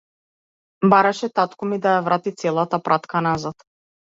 Бараше татко ми ја врати целата пратка назад.